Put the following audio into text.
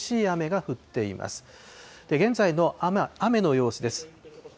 現在の雨の様子です。